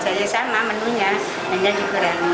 saya sama menunya minyaknya dikurangi